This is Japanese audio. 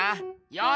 よし！